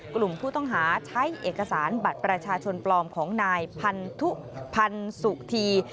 กลุ่มผู้ต้องหาใช้เอกสารบัตรประชาชนปลอมของนายพันธุพันธ์สุธี